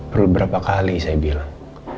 perlu berapa kali saya bilang